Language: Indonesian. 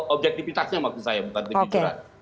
objektifitasnya maksud saya bukan pikiran